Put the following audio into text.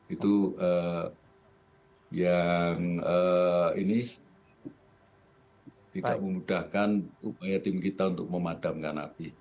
itu yang tidak memudahkan upaya tim kita untuk memadamkan api